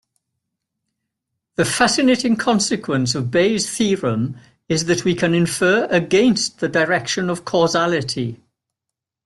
The fascinating consequence of Bayes' theorem is that we can infer against the direction of causality.